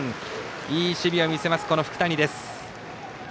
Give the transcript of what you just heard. いい守備を見せます、福谷。